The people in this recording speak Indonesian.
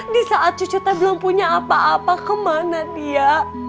di saat cucunya belum punya apa apa kemana dia